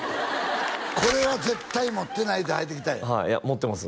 これは絶対持ってないって履いてきたんやはいいや持ってます